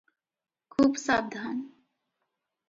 ଖୁବ୍ ସାବଧାନ!